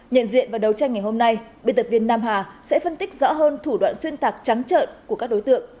nhận diện và đấu tranh ngày hôm nay biên tập viên nam hà sẽ phân tích rõ hơn thủ đoạn xuyên tạc trắng trợn của các đối tượng